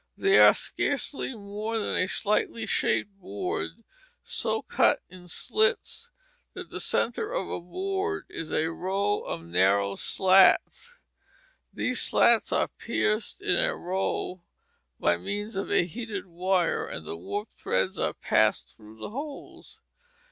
They are scarcely more than a slightly shaped board so cut in slits that the centre of the board is a row of narrow slats. These slats are pierced in a row by means of a heated wire and the warp threads are passed through the holes.